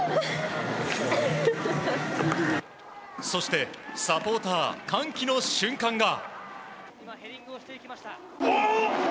そして、サポーター歓喜の瞬間が。